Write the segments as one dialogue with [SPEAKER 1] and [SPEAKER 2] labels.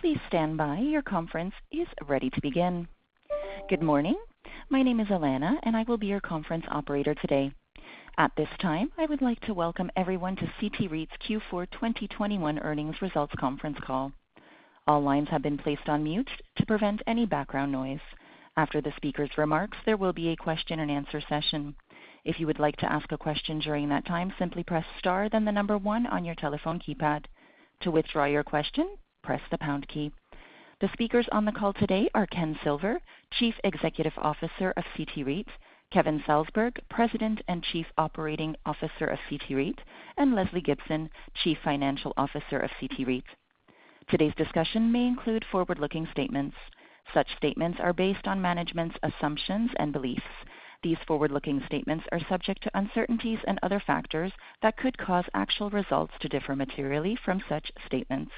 [SPEAKER 1] Good morning. My name is Alana, and I will be your conference operator today. At this time, I would like to welcome everyone to CT REIT's Q4 2021 earnings results conference call. All lines have been placed on mute to prevent any background noise. After the speaker's remarks, there will be a question-and-answer session. If you would like to ask a question during that time, simply press star then the number one on your telephone keypad. To withdraw your question, press the pound key. The speakers on the call today are Ken Silver, Chief Executive Officer of CT REIT, Kevin Salsberg, President and Chief Executive Officer of CT REIT, and Lesley Gibson, Chief Financial Officer of CT REIT. Today's discussion may include forward-looking statements. Such statements are based on management's assumptions and beliefs. These forward-looking statements are subject to uncertainties and other factors that could cause actual results to differ materially from such statements.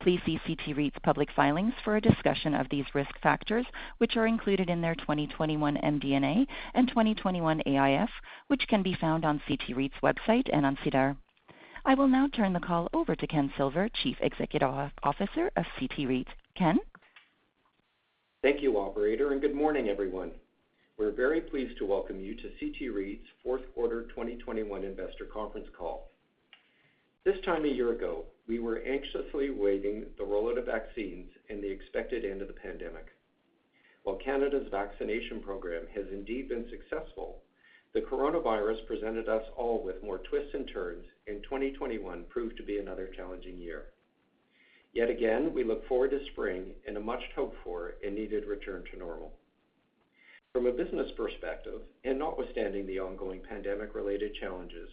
[SPEAKER 1] Please see CT REIT's public filings for a discussion of these risk factors, which are included in their 2021 MD&A and 2021 AIF, which can be found on CT REIT's website and on SEDAR. I will now turn the call over to Ken Silver, Chief Executive Officer of CT REIT. Ken?
[SPEAKER 2] Thank you, operator, and good morning, everyone. We're very pleased to welcome you to CT REIT's fourth quarter 2021 investor conference call. This time a year ago, we were anxiously awaiting the rollout of vaccines and the expected end of the pandemic. While Canada's vaccination program has indeed been successful, the coronavirus presented us all with more twists and turns, and 2021 proved to be another challenging year. Yet again, we look forward to spring and a much hoped for and needed return to normal. From a business perspective, and notwithstanding the ongoing pandemic-related challenges,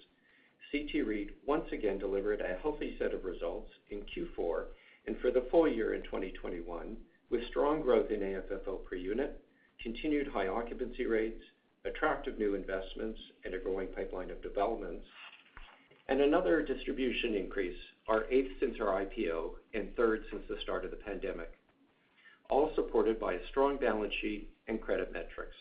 [SPEAKER 2] CT REIT once again delivered a healthy set of results in Q4 and for the full year in 2021, with strong growth in AFFO per unit, continued high occupancy rates, attractive new investments, and a growing pipeline of developments, and another distribution increase, our eighth since our IPO and third since the start of the pandemic, all supported by a strong balance sheet and credit metrics.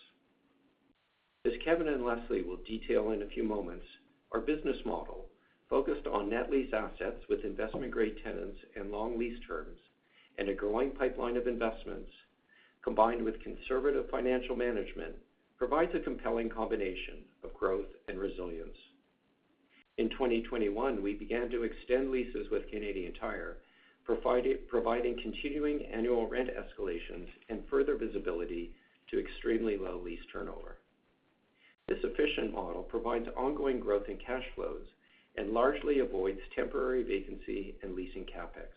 [SPEAKER 2] As Kevin and Lesley will detail in a few moments, our business model, focused on net lease assets with investment-grade tenants and long lease terms and a growing pipeline of investments, combined with conservative financial management, provides a compelling combination of growth and resilience. In 2021, we began to extend leases with Canadian Tire, providing continuing annual rent escalations and further visibility to extremely low lease turnover. This efficient model provides ongoing growth in cash flows and largely avoids temporary vacancy and leasing CapEx.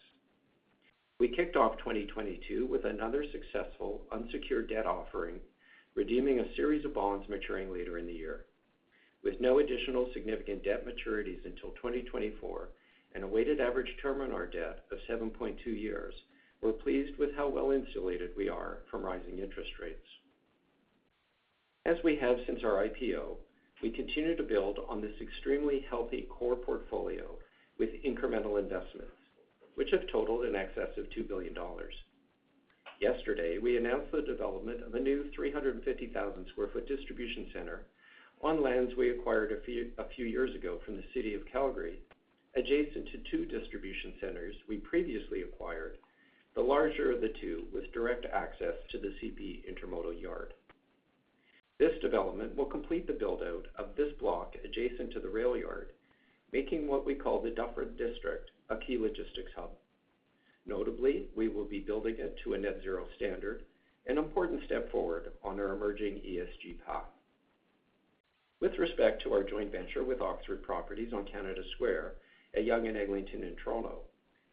[SPEAKER 2] We kicked off 2022 with another successful unsecured debt offering, redeeming a series of bonds maturing later in the year. With no additional significant debt maturities until 2024 and a weighted average term on our debt of 7.2 years, we're pleased with how well-insulated we are from rising interest rates. As we have since our IPO, we continue to build on this extremely healthy core portfolio with incremental investments, which have totaled in excess of 2 billion dollars. Yesterday, we announced the development of a new 350,000 sq ft distribution center on lands we acquired a few years ago from the City of Calgary, adjacent to two distribution centers we previously acquired, the larger of the two with direct access to the CP Intermodal Yard. This development will complete the build-out of this block adjacent to the rail yard, making what we call the Dufferin District a key logistics hub. Notably, we will be building it to a net zero standard, an important step forward on our emerging ESG path. With respect to our joint venture with Oxford Properties on Canada Square at Yonge and Eglinton in Toronto,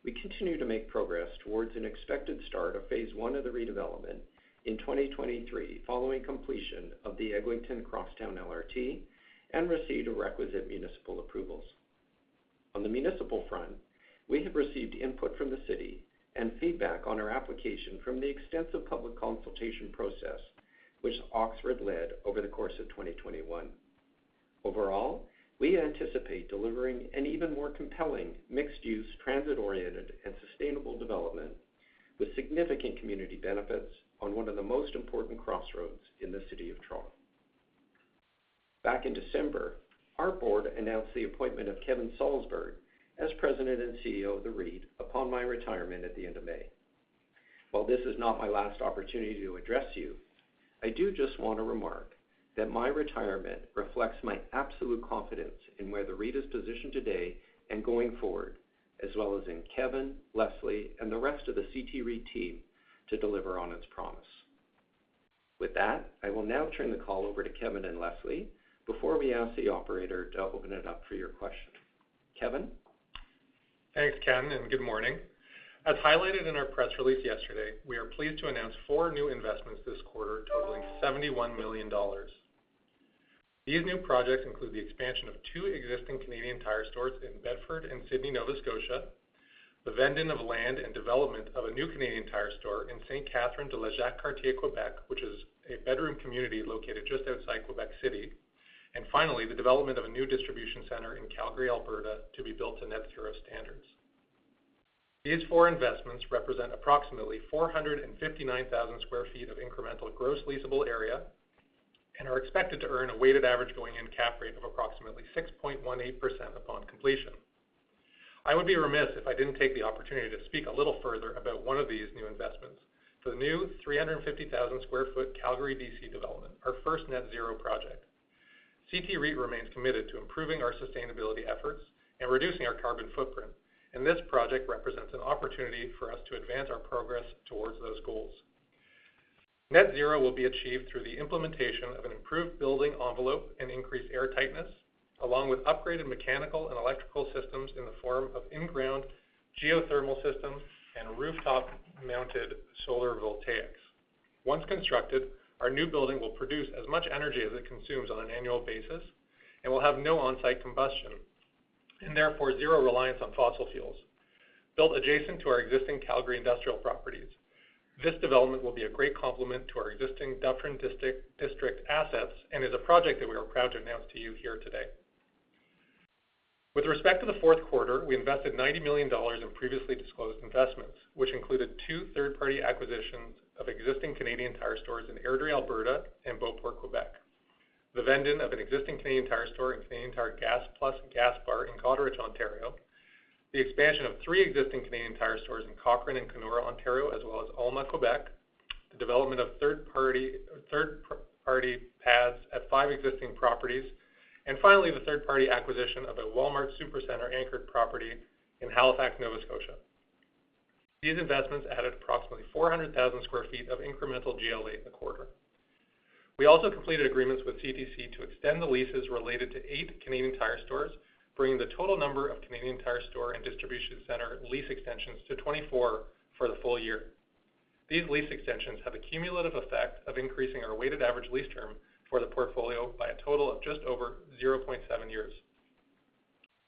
[SPEAKER 2] we continue to make progress towards an expected start of phase one of the redevelopment in 2023 following completion of the Eglinton Crosstown LRT and received requisite municipal approvals. On the municipal front, we have received input from the City of Toronto and feedback on our application from the extensive public consultation process, which Oxford led over the course of 2021. Overall, we anticipate delivering an even more compelling mixed-use, transit-oriented, and sustainable development with significant community benefits on one of the most important crossroads in the City of Toronto. Back in December, our board announced the appointment of Kevin Salsberg as President and CEO of the REIT upon my retirement at the end of May. While this is not my last opportunity to address you, I do just want to remark that my retirement reflects my absolute confidence in where the REIT is positioned today and going forward, as well as in Kevin, Lesley, and the rest of the CT REIT team to deliver on its promise. With that, I will now turn the call over to Kevin and Lesley before we ask the operator to open it up for your questions. Kevin?
[SPEAKER 3] Thanks, Ken, and good morning. As highlighted in our press release yesterday, we are pleased to announce four new investments this quarter totaling 71 million dollars. These new projects include the expansion of two existing Canadian Tire stores in Bedford and Sydney, Nova Scotia, the vend-in of land and development of a new Canadian Tire store in Sainte-Catherine-de-la-Jacques-Cartier, Québec, which is a bedroom community located just outside Québec City, and finally, the development of a new distribution center in Calgary, Alberta, to be built to net zero standards. These 4 investments represent approximately 459,000 sq ft of incremental gross leasable area. They are expected to earn a weighted average going in cap rate of approximately 6.18% upon completion. I would be remiss if I didn't take the opportunity to speak a little further about one of these new investments. For the new 350,000 sq ft Calgary DC development, our first net zero project. CT REIT remains committed to improving our sustainability efforts and reducing our carbon footprint, and this project represents an opportunity for us to advance our progress towards those goals. Net zero will be achieved through the implementation of an improved building envelope and increased air tightness, along with upgraded mechanical and electrical systems in the form of in-ground geothermal systems and rooftop-mounted solar voltaics. Once constructed, our new building will produce as much energy as it consumes on an annual basis and will have no on-site combustion, and therefore, zero reliance on fossil fuels. Built adjacent to our existing Calgary industrial properties, this development will be a great complement to our existing Dufferin District assets and is a project that we are proud to announce to you here today. With respect to the fourth quarter, we invested CAD 90 million in previously disclosed investments, which included 2 third-party acquisitions of existing Canadian Tire stores in Airdrie, Alberta, and Beauport, Quebec, the vending of an existing Canadian Tire store and Canadian Tire Gas+ gas bar in Coleridge, Ontario, the expansion of three existing Canadian Tire stores in Cochrane and Kenora, Ontario, as well as Alma, Quebec, the development of third-party pads at 5 existing properties. Finally, the third-party acquisition of a Walmart Supercentre anchored property in Halifax, Nova Scotia. These investments added approximately 400,000 sq ft of incremental GLA in the quarter. We also completed agreements with CTC to extend the leases related to eight Canadian Tire stores, bringing the total number of Canadian Tire store and distribution center lease extensions to 24 for the full year. These lease extensions have a cumulative effect of increasing our weighted average lease term for the portfolio by a total of just over 0.7 years.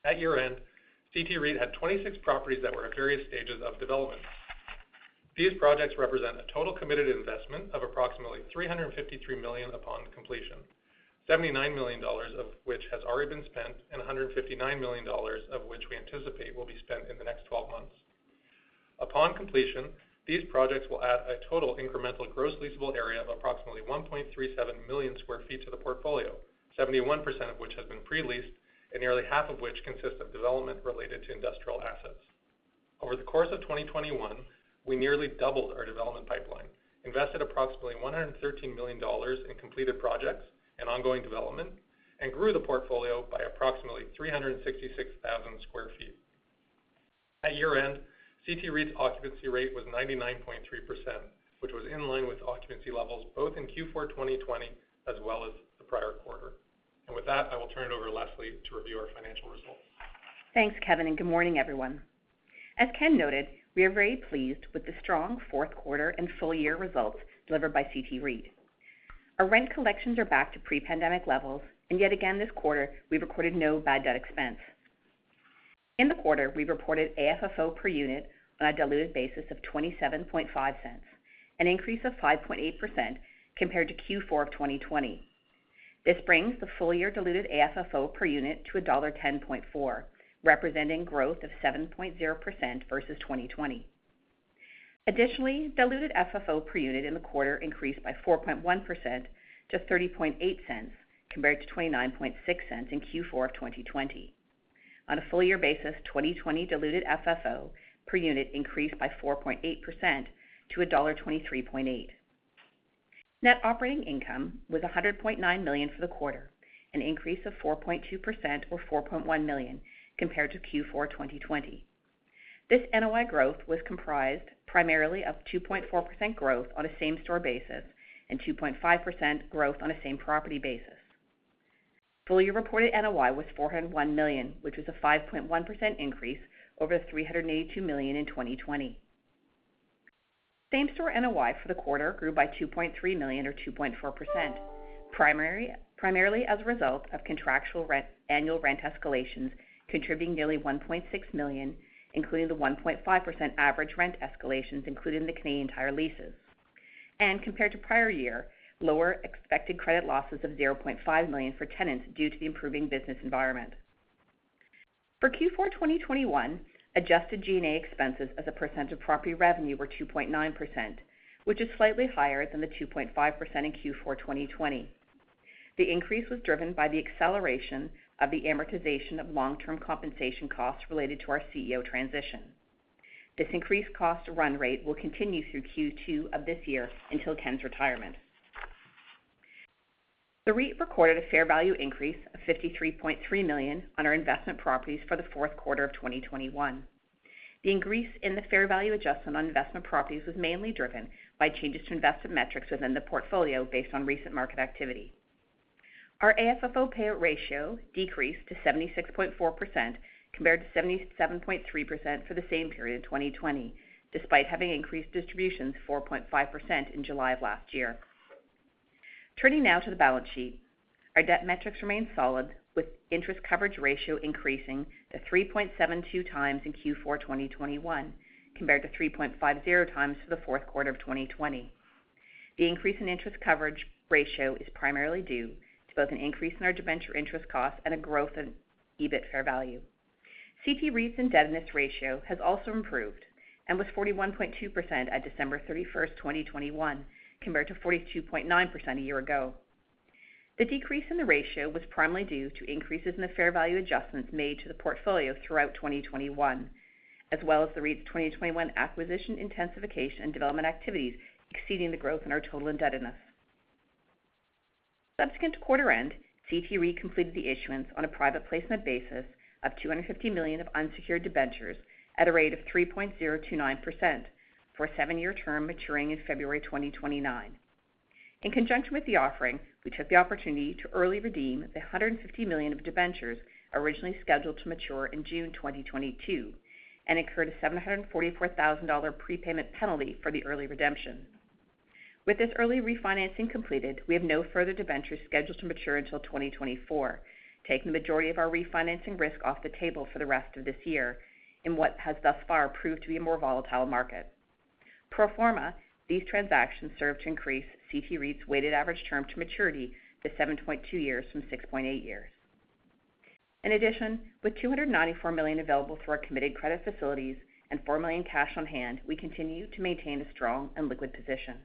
[SPEAKER 3] At year-end, CT REIT had 26 properties that were at various stages of development. These projects represent a total committed investment of approximately 353 million upon completion, 79 million dollars of which has already been spent, and 159 million dollars of which we anticipate will be spent in the next twelve months. Upon completion, these projects will add a total incremental gross leasable area of approximately 1.37 million sq ft to the portfolio, 71% of which has been pre-leased and nearly half of which consists of development related to industrial assets. Over the course of 2021, we nearly doubled our development pipeline, invested approximately 113 million dollars in completed projects and ongoing development, and grew the portfolio by approximately 366,000 sq ft. At year-end, CT REIT's occupancy rate was 99.3%, which was in line with occupancy levels both in Q4 2020 as well as the prior quarter. With that, I will turn it over to Lesley to review our financial results.
[SPEAKER 4] Thanks, Kevin, and good morning, everyone. As Ken noted, we are very pleased with the strong fourth quarter and full-year results delivered by CT REIT. Our rent collections are back to pre-pandemic levels, and yet again this quarter, we recorded no bad debt expense. In the quarter, we reported AFFO per unit on a diluted basis of 0.275, an increase of 5.8% compared to Q4 of 2020. This brings the full-year diluted AFFO per unit to dollar 1.04, representing growth of 7.0% versus 2020. Additionally, diluted FFO per unit in the quarter increased by 4.1% to 0.308 compared to 0.296 in Q4 of 2020. On a full-year basis, 2021 diluted FFO per unit increased by 4.8% to dollar 1.238. Net operating income was 100.9 million for the quarter, an increase of 4.2% or 4.1 million compared to Q4 2020. This NOI growth was comprised primarily of 2.4% growth on a same-store basis and 2.5% growth on a same-property basis. Full-year reported NOI was CAD 401 million, which was a 5.1% increase over the 382 million in 2020. Same-store NOI for the quarter grew by 2.3 million or 2.4%, primarily as a result of contractual rent annual rent escalations contributing nearly 1.6 million, including the 1.5% average rent escalations including the Canadian Tire leases. Compared to prior year, lower expected credit losses of 0.5 million for tenants due to the improving business environment. For Q4 2021, adjusted G&A expenses as a percent of property revenue were 2.9%, which is slightly higher than the 2.5% in Q4 2020. The increase was driven by the acceleration of the amortization of long-term compensation costs related to our CEO transition. This increased cost run rate will continue through Q2 of this year until Ken's retirement. The REIT recorded a fair value increase of 53.3 million on our investment properties for the fourth quarter of 2021. The increase in the fair value adjustment on investment properties was mainly driven by changes to investment metrics within the portfolio based on recent market activity. Our AFFO payout ratio decreased to 76.4% compared to 77.3% for the same period in 2020, despite having increased distributions 4.5% in July of last year. Turning now to the balance sheet. Our debt metrics remain solid, with interest coverage ratio increasing to 3.72 times in Q4 2021 compared to 3.50 times for the fourth quarter of 2020. The increase in interest coverage ratio is primarily due to both an increase in our debenture interest costs and a growth in EBIT, fair value. CT REIT's indebtedness ratio has also improved and was 41.2% at December 31, 2021, compared to 42.9% a year ago. The decrease in the ratio was primarily due to increases in the fair value adjustments made to the portfolios throughout 2021, as well as the REIT's 2021 acquisition intensification and development activities exceeding the growth in our total indebtedness. Subsequent to quarter end, CT REIT completed the issuance on a private placement basis of 250 million of unsecured debentures at a rate of 3.029% for a seven-year term maturing in February 2029. In conjunction with the offering, we took the opportunity to early redeem the 150 million of debentures originally scheduled to mature in June 2022 and incurred a 744,000 dollar prepayment penalty for the early redemption. With this early refinancing completed, we have no further debentures scheduled to mature until 2024, taking the majority of our refinancing risk off the table for the rest of this year in what has thus far proved to be a more volatile market. Pro forma, these transactions serve to increase CT REIT's weighted average term to maturity to 7.2 years from 6.8 years. In addition, with 294 million available through our committed credit facilities and 4 million cash on hand, we continue to maintain a strong and liquid position.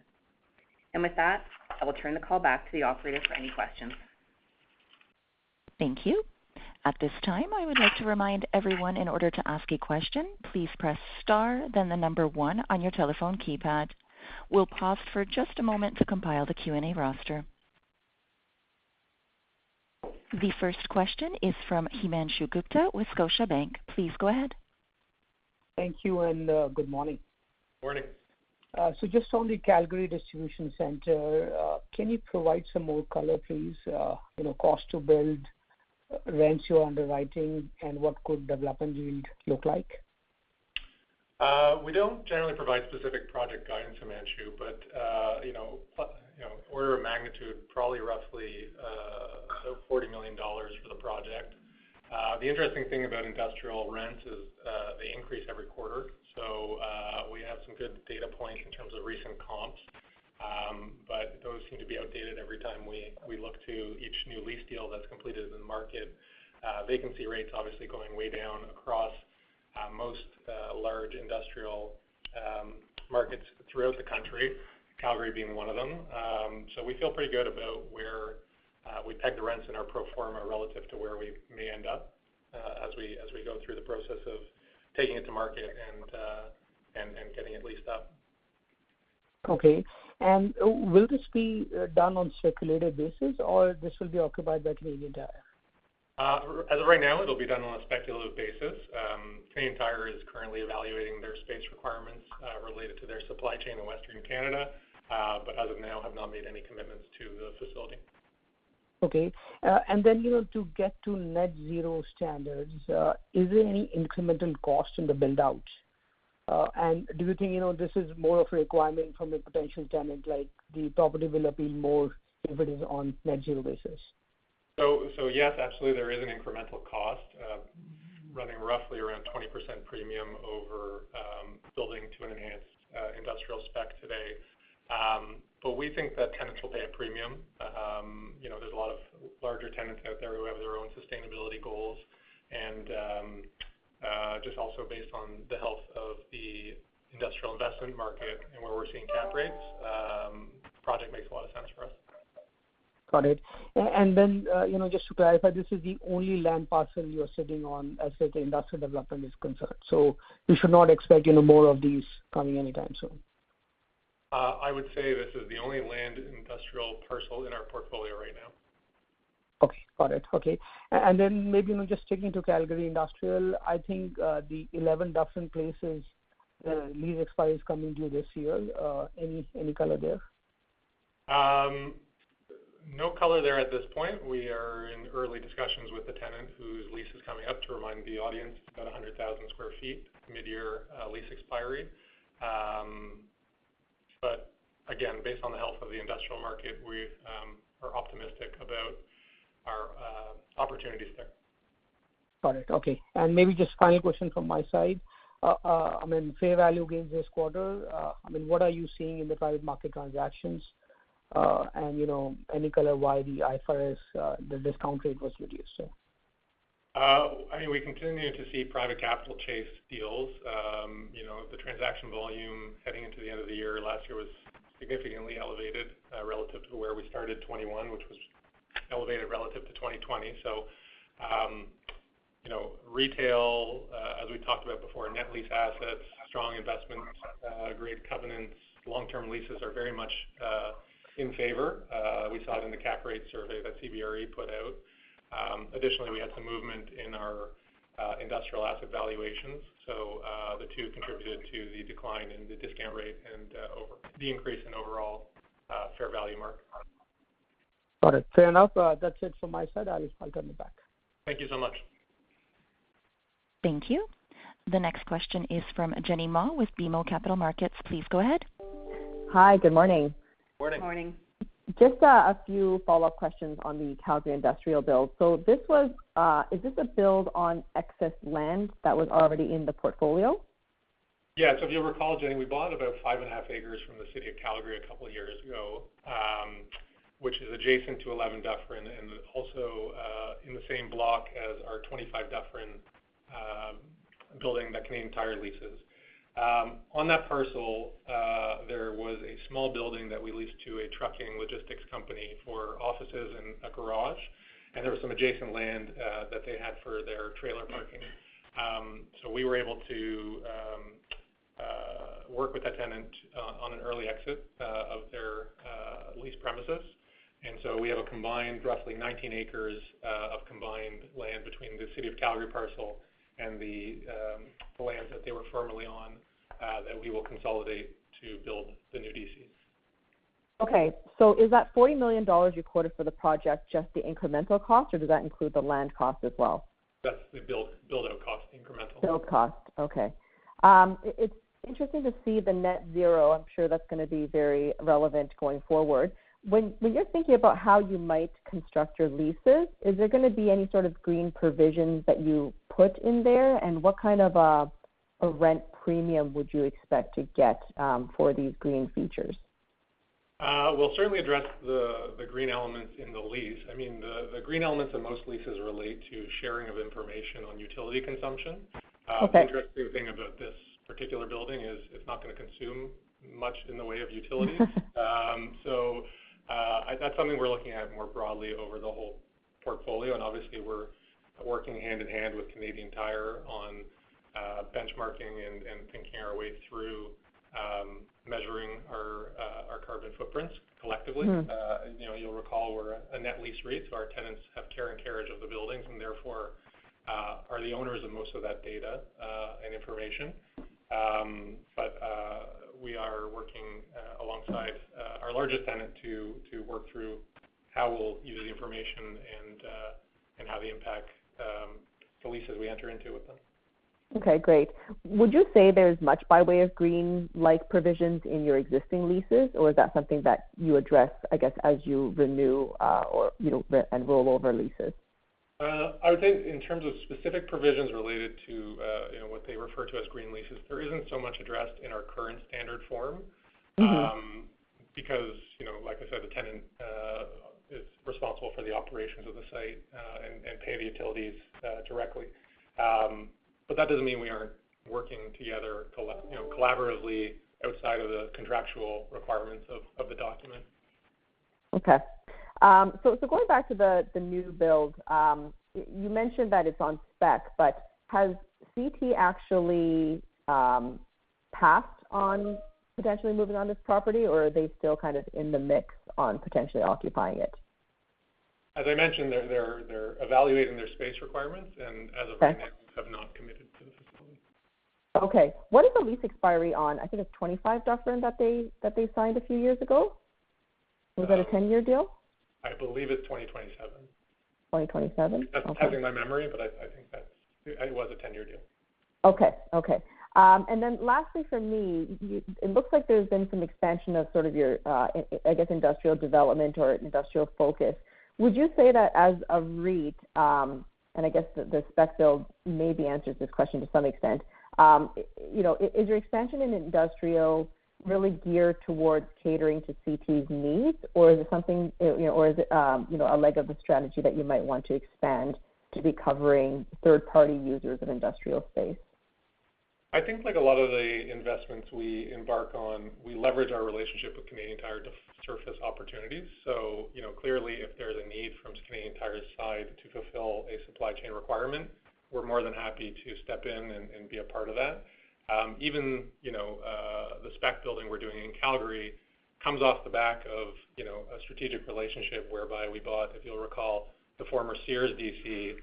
[SPEAKER 4] With that, I will turn the call back to the operator for any questions.
[SPEAKER 1] Thank you. At this time, I would like to remind everyone in order to ask a question, please press star then the number one on your telephone keypad. We'll pause for just a moment to compile the Q&A roster. The first question is from Himanshu Gupta with Scotiabank. Please go ahead.
[SPEAKER 5] Thank you and good morning.
[SPEAKER 3] Morning.
[SPEAKER 5] Just on the Calgary Distribution Center, can you provide some more color, please, you know, cost to build, rents you're underwriting, and what could development yield look like?
[SPEAKER 3] We don't generally provide specific project guidance, Himanshu, but you know, order of magnitude, probably roughly 40 million dollars for the project. The interesting thing about industrial rents is they increase every quarter. We have some good data points in terms of recent comps. Those seem to be outdated every time we look to each new lease deal that's completed in the market. Vacancy rates obviously going way down across most large industrial markets throughout the country, Calgary being one of them. We feel pretty good about where we pegged the rents in our pro forma relative to where we may end up as we go through the process of taking it to market and getting it leased up.
[SPEAKER 5] Okay. Will this be done on speculative basis or this will be occupied by Canadian Tire?
[SPEAKER 3] As of right now, it'll be done on a speculative basis. Canadian Tire is currently evaluating their space requirements, related to their supply chain in Western Canada. As of now, they have not made any commitments to the facility.
[SPEAKER 5] Okay. You know, to get to net zero standards, is there any incremental cost in the build-out? Do you think, you know, this is more of a requirement from a potential tenant, like the property will appeal more if it is on net zero basis?
[SPEAKER 3] Yes, absolutely, there is an incremental cost running roughly around 20% premium over building to an enhanced industrial spec today. We think that tenants will pay a premium. You know, there's a lot of larger tenants out there who have their own sustainability goals. Just also based on the health of the industrial investment market and where we're seeing cap rates, project makes a lot of sense for us.
[SPEAKER 5] Got it. You know, just to clarify, this is the only land parcel you're sitting on as far as the industrial development is concerned, so we should not expect, you know, more of these coming anytime soon?
[SPEAKER 3] I would say this is the only land industrial parcel in our portfolio right now.
[SPEAKER 5] Okay, got it. Okay. Then maybe, you know, just checking to Calgary industrial, I think, the 11 Dufferin Place's lease expiry is coming due this year. Any color there?
[SPEAKER 3] No color there at this point. We are in early discussions with the tenant whose lease is coming up. To remind the audience, it's about 100,000 sq ft, midyear lease expiry. Again, based on the health of the industrial market, we are optimistic about our opportunities there.
[SPEAKER 5] Got it. Okay. Maybe just final question from my side. I mean, fair value gains this quarter, I mean, what are you seeing in the private market transactions? You know, any color why the IFRS, the discount rate was reduced?
[SPEAKER 3] I mean, we continue to see private capital chase deals. You know, the transaction volume heading into the end of the year last year was significantly elevated, relative to where we started 2021, which was elevated relative to 2020. You know, retail, as we talked about before, net lease assets, strong investments, great covenants, long-term leases are very much in favor. We saw it in the cap rate survey that CBRE put out. Additionally, we had some movement in our industrial asset valuations. The two contributed to the decline in the discount rate and the increase in overall fair value mark.
[SPEAKER 5] Got it. Fair enough. That's it from my side. I'll come back.
[SPEAKER 3] Thank you so much.
[SPEAKER 1] Thank you. The next question is from Jenny Ma with BMO Capital Markets. Please go ahead.
[SPEAKER 6] Hi, good morning.
[SPEAKER 3] Morning.
[SPEAKER 4] Morning.
[SPEAKER 6] Just, a few follow-up questions on the Calgary industrial build. Is this a build on excess land that was already in the portfolio?
[SPEAKER 3] Yeah. If you'll recall, Jenny, we bought about five and a half acres from the City of Calgary a couple years ago, which is adjacent to 11 Dufferin and also in the same block as our 25 Dufferin building that Canadian Tire leases. On that parcel, there was a small building that we leased to a trucking logistics company for offices and a garage, and there was some adjacent land that they had for their trailer parking. We were able to work with that tenant on an early exit of their lease premises. We have a combined roughly 19 acres of combined land between the City of Calgary parcel and the lands that they were formerly on that we will consolidate to build the new DCs.
[SPEAKER 6] Okay. Is that 40 million dollars recorded for the project just the incremental cost, or does that include the land cost as well?
[SPEAKER 3] That's the build-out cost, incremental.
[SPEAKER 6] Build cost. Okay. It's interesting to see the net zero. I'm sure that's gonna be very relevant going forward. When you're thinking about how you might construct your leases, is there gonna be any sort of green provisions that you put in there? What kind of a rent premium would you expect to get for these green features?
[SPEAKER 3] We'll certainly address the green elements in the lease. I mean, the green elements in most leases relate to sharing of information on utility consumption.
[SPEAKER 6] Okay.
[SPEAKER 3] The interesting thing about this particular building is it's not gonna consume much in the way of utilities. That's something we're looking at more broadly over the whole portfolio, and obviously we're working hand-in-hand with Canadian Tire on benchmarking and thinking our way through measuring our carbon footprints collectively.
[SPEAKER 6] Mm.
[SPEAKER 3] You know, you'll recall we're a net lease REIT, so our tenants have care and carriage of the buildings and therefore are the owners of most of that data and information. We are working alongside our largest tenant to work through how we'll use the information and how they impact the leases we enter into with them.
[SPEAKER 6] Okay, great. Would you say there's much by way of green-like provisions in your existing leases, or is that something that you address, I guess, as you renew, or, you know, and roll over leases?
[SPEAKER 3] I would say in terms of specific provisions related to, you know, what they refer to as green leases, there isn't so much addressed in our current standard form.
[SPEAKER 6] Mm-hmm.
[SPEAKER 3] Because, you know, like I said, the tenant is responsible for the operations of the site, and pay the utilities directly. That doesn't mean we aren't working together collaboratively outside of the contractual requirements of the document.
[SPEAKER 6] Okay. Going back to the new build, you mentioned that it's on spec, but has CT actually passed on potentially moving on this property, or are they still kind of in the mix on potentially occupying it?
[SPEAKER 3] As I mentioned, they're evaluating their space requirements, and as of-
[SPEAKER 6] Okay
[SPEAKER 3] right now have not committed to the facility.
[SPEAKER 6] Okay. What is the lease expiry on, I think it's 25 Dufferin that they signed a few years ago?
[SPEAKER 3] Uh-
[SPEAKER 6] Was that a 10-year deal?
[SPEAKER 3] I believe it's 2027.
[SPEAKER 6] 2027? Okay.
[SPEAKER 3] Testing my memory, but I think that's it. It was a 10-year deal.
[SPEAKER 6] Lastly from me, you, it looks like there's been some expansion of sort of your, I guess industrial development or industrial focus. Would you say that as a REIT, and I guess the spec build maybe answers this question to some extent, you know, is your expansion in industrial really geared towards catering to CT's needs, or is it something, you know or is it, you know, a leg of the strategy that you might want to expand to be covering third-party users of industrial space?
[SPEAKER 3] I think like a lot of the investments we embark on, we leverage our relationship with Canadian Tire to surface opportunities. You know, clearly if there's a need from Canadian Tire's side to fulfill a supply chain requirement, we're more than happy to step in and be a part of that. Even, you know, the spec building we're doing in Calgary comes off the back of a strategic relationship whereby we bought, if you'll recall, the former Sears DC,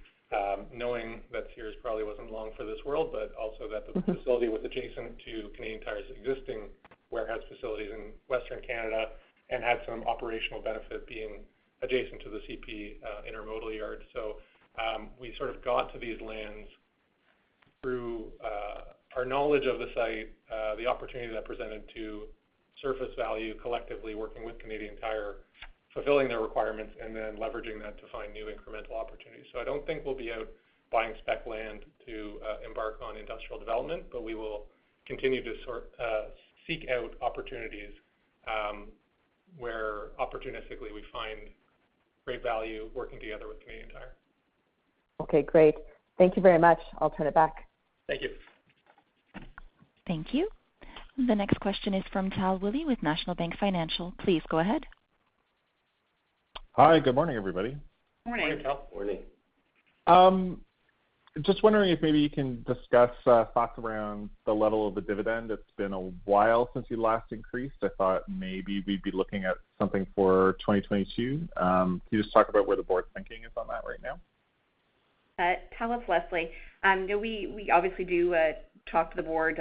[SPEAKER 3] knowing that Sears probably wasn't long for this world, but also that the facility was adjacent to Canadian Tire's existing warehouse facilities in Western Canada and had some operational benefit being adjacent to the CP intermodal yard. We sort of got to these lands through our knowledge of the site, the opportunity that presented to surface value collectively working with Canadian Tire, fulfilling their requirements, and then leveraging that to find new incremental opportunities. I don't think we'll be out buying spec land to embark on industrial development, but we will continue to seek out opportunities where opportunistically we find great value working together with Canadian Tire.
[SPEAKER 6] Okay, great. Thank you very much. I'll turn it back.
[SPEAKER 3] Thank you.
[SPEAKER 1] Thank you. The next question is from Tal Woolley with National Bank Financial. Please go ahead.
[SPEAKER 7] Hi. Good morning, everybody.
[SPEAKER 4] Morning. Morning, Tal.
[SPEAKER 3] Morning.
[SPEAKER 7] Just wondering if maybe you can discuss thoughts around the level of the dividend. It's been a while since you last increased. I thought maybe we'd be looking at something for 2022. Can you just talk about where the board's thinking is on that right now?
[SPEAKER 4] Tal, it's Lesley. You know, we obviously do talk to the board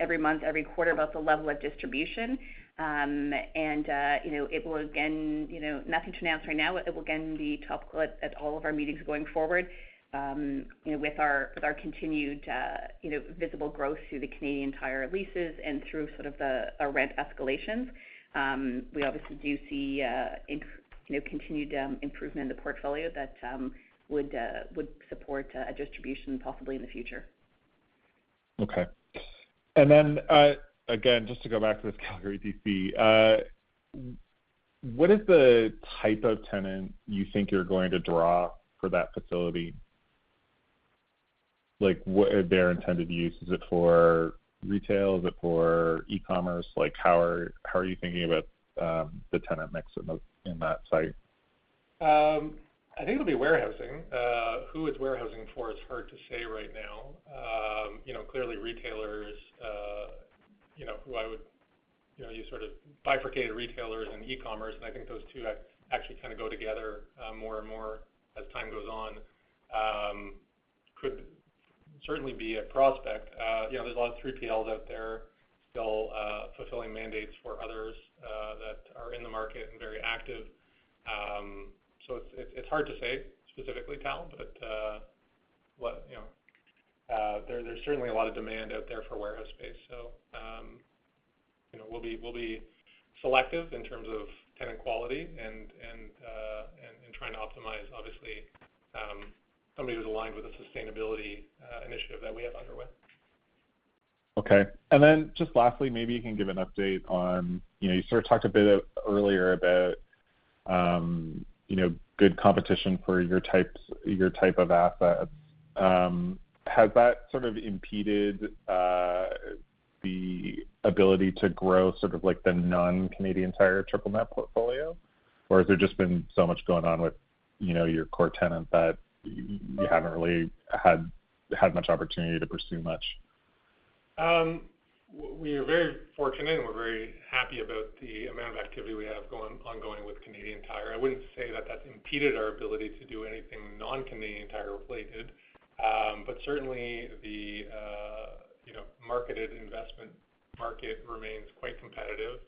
[SPEAKER 4] every month, every quarter about the level of distribution. You know, it will again, you know, nothing to announce right now. It will again be topical at all of our meetings going forward, you know, with our continued, you know, visible growth through the Canadian Tire leases and through sort of the rent escalations. We obviously do see, you know, continued improvement in the portfolio that would support a distribution possibly in the future.
[SPEAKER 7] Okay, again, just to go back to this Calgary DC. What is the type of tenant you think you're going to draw for that facility? Like, what are their intended use? Is it for retail? Is it for e-commerce? Like, how are you thinking about the tenant mix in that site?
[SPEAKER 3] I think it'll be warehousing. Who it's warehousing for, it's hard to say right now. You know, clearly retailers, you know, who I would, you know, you sort of bifurcated retailers and e-commerce, and I think those two actually kind of go together, more and more as time goes on. Could certainly be a prospect. You know, there's a lot of three PLs out there still, fulfilling mandates for others, that are in the market and very active. So it's hard to say specifically, Tal, but you know, there's certainly a lot of demand out there for warehouse space. you know, we'll be selective in terms of tenant quality and trying to optimize obviously, somebody who's aligned with the sustainability initiative that we have underway.
[SPEAKER 7] Okay. Just lastly, maybe you can give an update on, you know, you sort of talked a bit earlier about, you know, good competition for your types, your type of assets. Has that sort of impeded the ability to grow sort of like the non-Canadian Tire triple net portfolio? Has there just been so much going on with, you know, your core tenant that you haven't really had much opportunity to pursue much?
[SPEAKER 3] We are very fortunate, and we're very happy about the amount of activity we have ongoing with Canadian Tire. I wouldn't say that that's impeded our ability to do anything non-Canadian Tire related. Certainly the you know, marketed investment market remains quite competitive.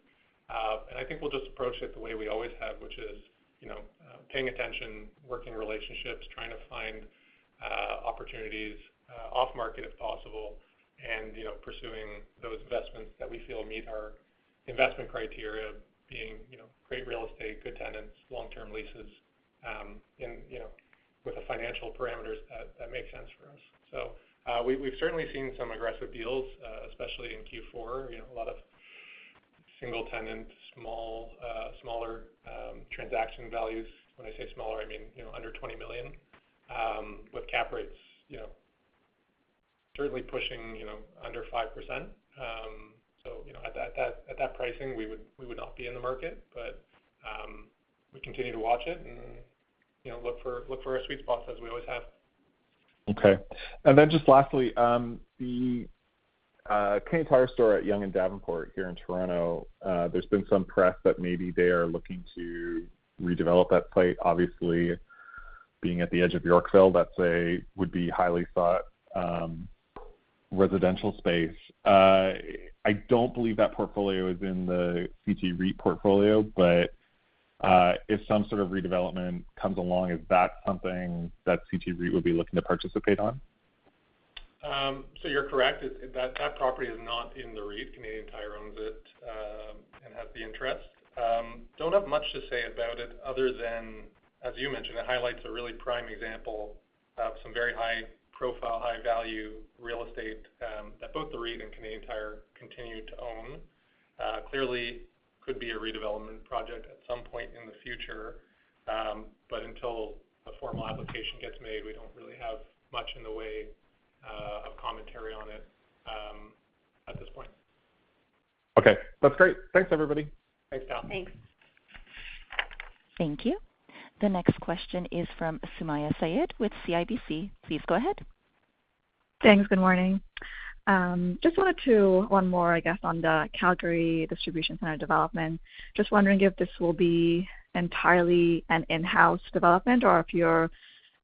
[SPEAKER 3] I think we'll just approach it the way we always have, which is, you know, paying attention, working relationships, trying to find opportunities off market if possible, and, you know, pursuing those investments that we feel meet our investment criteria being, you know, great real estate, good tenants, long-term leases, and, you know, with the financial parameters that make sense for us. We've certainly seen some aggressive deals, especially in Q4. You know, a lot of single tenant smaller transaction values. When I say smaller, I mean, you know, under 20 million with cap rates, you know, certainly pushing, you know, under 5%. You know, at that pricing, we would not be in the market. We continue to watch it and, you know, look for our sweet spot as we always have.
[SPEAKER 7] Okay. Just lastly, the Canadian Tire store at Yonge and Davenport here in Toronto, there's been some press that maybe they are looking to redevelop that site. Obviously, being at the edge of Yorkville, that would be highly sought residential space. I don't believe that portfolio is in the CT REIT portfolio, but if some sort of redevelopment comes along, is that something that CT REIT would be looking to participate on?
[SPEAKER 3] You're correct. That property is not in the REIT. Canadian Tire owns it and has the interest. Don't have much to say about it other than, as you mentioned, it highlights a really prime example of some very high profile, high value real estate that both the REIT and Canadian Tire continue to own. Clearly could be a redevelopment project at some point in the future. Until a formal application gets made, we don't really have much in the way of commentary on it at this point.
[SPEAKER 7] Okay. That's great. Thanks, everybody.
[SPEAKER 3] Thanks, Tal.
[SPEAKER 7] Thanks.
[SPEAKER 1] Thank you. The next question is from Sumayya Syed with CIBC. Please go ahead.
[SPEAKER 8] Thanks. Good morning. One more, I guess, on the Calgary distribution center development. Just wondering if this will be entirely an in-house development or if you're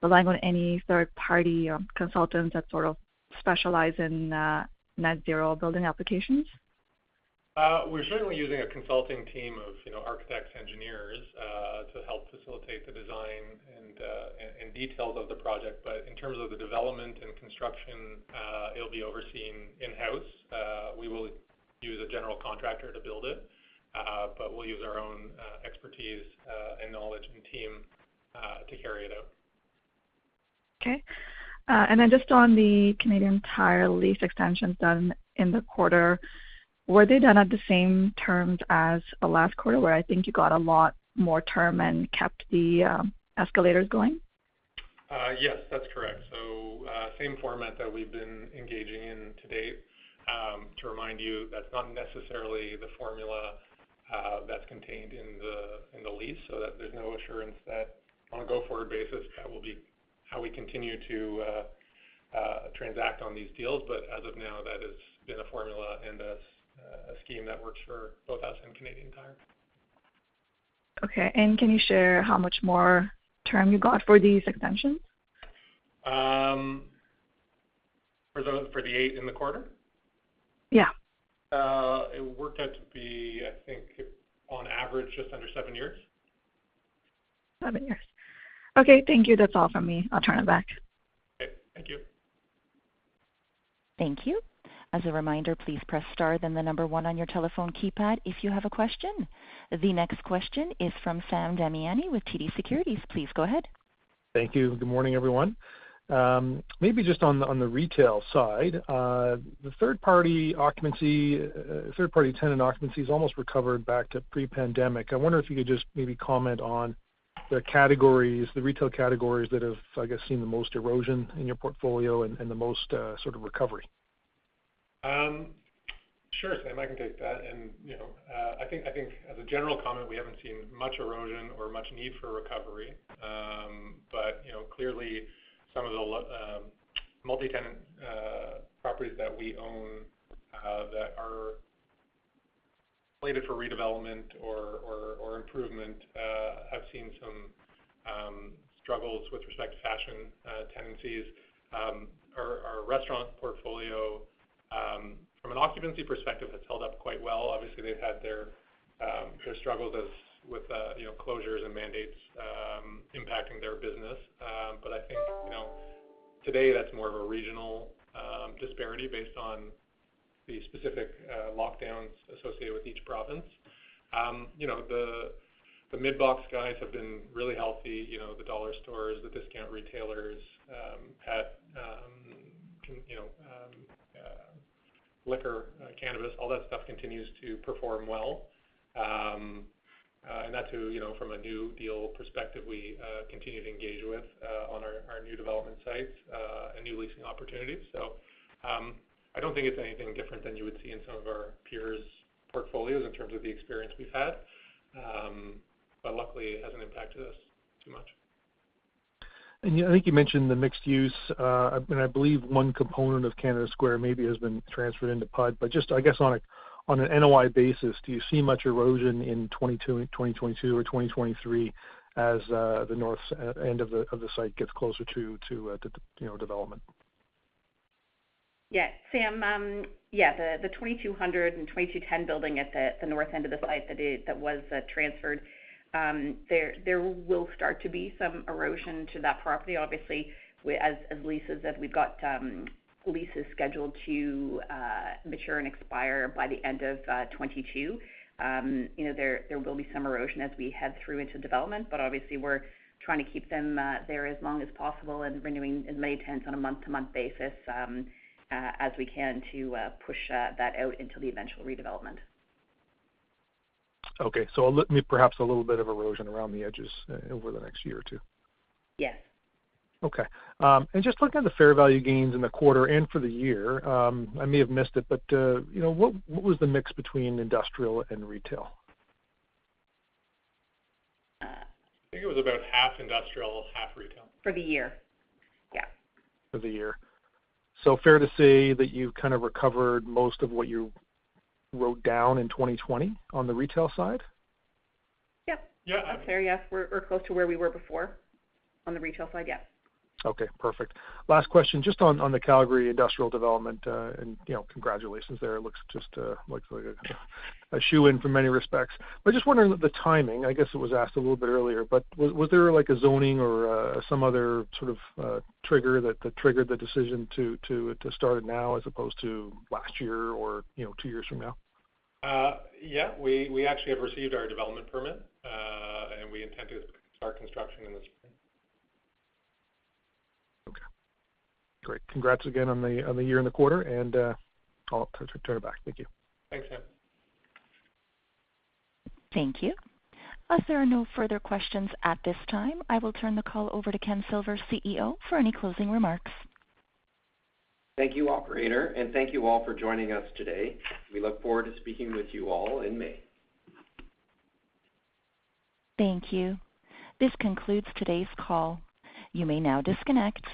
[SPEAKER 8] relying on any third-party consultants that sort of specialize in net zero building applications.
[SPEAKER 3] We're certainly using a consulting team of, you know, architects, engineers, to help facilitate the design and details of the project. In terms of the development and construction, it'll be overseen in-house. We will use a general contractor to build it, but we'll use our own expertise, and knowledge and team, to carry it out.
[SPEAKER 8] Okay. Just on the Canadian Tire lease extensions done in the quarter, were they done at the same terms as the last quarter, where I think you got a lot more term and kept the escalators going?
[SPEAKER 3] Yes, that's correct. Same format that we've been engaging in to date. To remind you, that's not necessarily the formula that's contained in the lease, so that there's no assurance that on a go-forward basis, that will be how we continue to transact on these deals. As of now, that has been a formula and a scheme that works for both us and Canadian Tire.
[SPEAKER 8] Okay. Can you share how much more term you got for these extensions?
[SPEAKER 3] For the eighth in the quarter?
[SPEAKER 8] Yeah.
[SPEAKER 3] It worked out to be, I think on average, just under 7 years.
[SPEAKER 8] seven-years. Okay. Thank you. That's all from me. I'll turn it back.
[SPEAKER 3] Okay. Thank you.
[SPEAKER 1] Thank you. As a reminder, please press star then the number one on your telephone keypad if you have a question. The next question is from Sam Damiani with TD Securities. Please go ahead.
[SPEAKER 9] Thank you. Good morning, everyone. Maybe just on the retail side. The third party tenant occupancy is almost recovered back to pre-pandemic. I wonder if you could just maybe comment on the categories, the retail categories that have, I guess, seen the most erosion in your portfolio and the most sort of recovery.
[SPEAKER 3] Sure, Sam, I can take that. You know, I think as a general comment, we haven't seen much erosion or much need for recovery. You know, clearly some of the multi-tenant properties that we own that are slated for redevelopment or improvement have seen some struggles with respect to fashion tendencies. Our restaurant portfolio from an occupancy perspective has held up quite well. Obviously, they've had their struggles as with you know, closures and mandates impacting their business. I think you know, today that's more of a regional disparity based on the specific lockdowns associated with each province. You know, the mid-box guys have been really healthy. You know, the dollar stores, the discount retailers, pet, you know, liquor, cannabis, all that stuff continues to perform well. That too, you know, from a new deal perspective, we continue to engage with on our new development sites and new leasing opportunities. I don't think it's anything different than you would see in some of our peers' portfolios in terms of the experience we've had. Luckily, it hasn't impacted us too much.
[SPEAKER 9] Yeah, I think you mentioned the mixed use. I believe one component of Canada Square maybe has been transferred into PUD. Just, I guess on an NOI basis, do you see much erosion in 2022 or 2023 as the north end of the site gets closer to, you know, development?
[SPEAKER 4] Yeah. Sam, yeah, the 2,220 and 2,210 building at the north end of the site that was transferred, there will start to be some erosion to that property. Obviously, as leases that we've got scheduled to mature and expire by the end of 2022. You know, there will be some erosion as we head through into development, but obviously we're trying to keep them there as long as possible and renewing in late 10s on a month-to-month basis as we can to push that out into the eventual redevelopment.
[SPEAKER 9] Okay. Perhaps a little bit of erosion around the edges over the next year or two.
[SPEAKER 4] Yes.
[SPEAKER 9] Okay. Just looking at the fair value gains in the quarter and for the year, I may have missed it, but you know, what was the mix between industrial and retail?
[SPEAKER 3] I think it was about half industrial, half retail.
[SPEAKER 4] For the year. Yeah.
[SPEAKER 9] For the year. Fair to say that you've kind of recovered most of what you wrote down in 2020 on the retail side?
[SPEAKER 4] Yeah.
[SPEAKER 3] Yeah.
[SPEAKER 4] That's fair. Yes. We're close to where we were before on the retail side. Yes.
[SPEAKER 9] Okay, perfect. Last question. Just on the Calgary industrial development, and you know, congratulations there. It looks like a shoo-in in many respects. Just wondering the timing. I guess it was asked a little bit earlier, but was there like a zoning or some other sort of trigger that triggered the decision to start now as opposed to last year or you know, two years from now?
[SPEAKER 3] Yeah. We actually have received our development permit, and we intend to start construction in the spring.
[SPEAKER 9] Okay. Great. Congrats again on the year and the quarter, and I'll turn it back. Thank you.
[SPEAKER 3] Thanks, Sam.
[SPEAKER 1] Thank you. As there are no further questions at this time, I will turn the call over to Ken Silver, CEO, for any closing remarks.
[SPEAKER 3] Thank you, operator, and thank you all for joining us today. We look forward to speaking with you all in May.
[SPEAKER 1] Thank you. This concludes today's call. You may now disconnect.